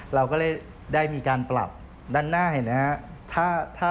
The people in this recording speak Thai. เราก็เลยได้มีการปรับด้านหน้าเห็นไหมฮะ